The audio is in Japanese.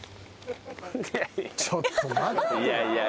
ちょっと待って。